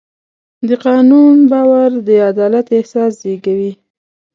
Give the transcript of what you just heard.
د قانون باور د عدالت احساس زېږوي.